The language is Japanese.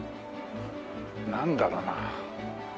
なんだろうなあ？